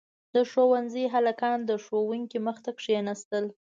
• د ښونځي هلکان د ښوونکي مخې ته کښېناستل.